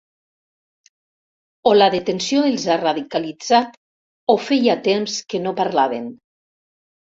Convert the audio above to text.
O la detenció els ha radicalitzat o feia temps que no parlaven.